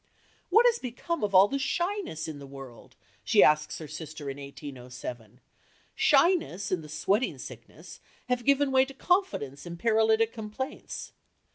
"What is become of all the shyness in the world?" she asks her sister in 1807; "shyness and the sweating sickness have given way to confidence and paralytic complaints."